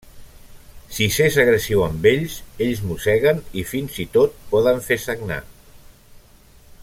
Si s'és agressiu amb ells, ells mosseguen i fins i tot poden fer sagnar.